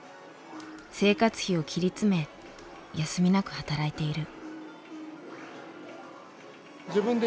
生活費を切り詰め休みなく働いている。